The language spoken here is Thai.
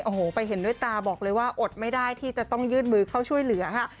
โอ้โหไปเห็นด้วยตาบอกเลยว่าอดไม่ได้ที่จะต้องยื่นมือเข้าช่วยเหลือค่ะ